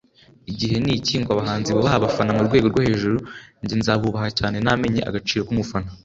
Igihe ni iki ngo abahanzi bubahe abafana ku rwengo rwo hejuru njye nzabubaha cyane namenye agaciro k’umufana